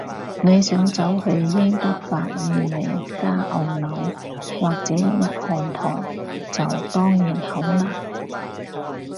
你想走去英德法意美加澳紐，或者日韓台，就當然好難